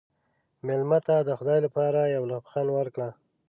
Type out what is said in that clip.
مېلمه ته د خدای لپاره یو لبخند ورکړه.